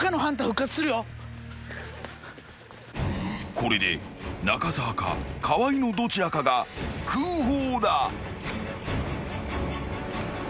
［これで中澤か河合のどちらかが空砲だ］